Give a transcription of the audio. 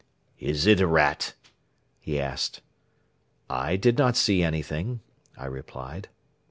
"Is it a rat?" he asked. "I did not see anything," I replied.